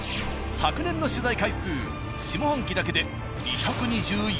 昨年の取材回数下半期だけで。